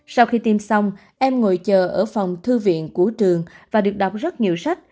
sau khi tiêm xong em ngồi chờ ở phòng thư viện của trường và được đọc rất nhiều sách